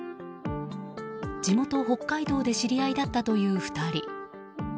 地元・北海道で知り合いだったという２人。